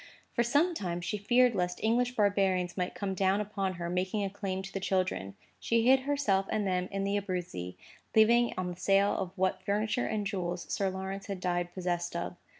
For some time, she feared lest English barbarians might come down upon her, making a claim to the children. She hid herself and them in the Abruzzi, living upon the sale of what furniture and jewels Sir Lawrence had died possessed of.